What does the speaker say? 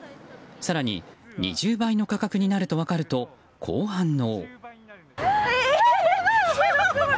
更に、２０倍の価格になると分かるとこう反応。